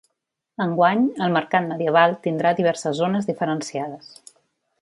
Enguany, el mercat medieval tindrà diverses zones diferenciades.